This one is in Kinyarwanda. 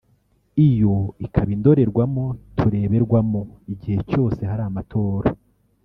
iyo ikaba indorerwamo tureberwamo igihe cyose hari amatora